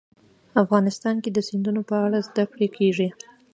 افغانستان کې د سیندونه په اړه زده کړه کېږي.